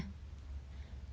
thưa quý vị